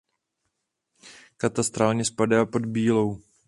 Katastrálně spadá pod Bílou.